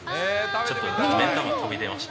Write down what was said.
ちょっと目ん玉飛び出ました。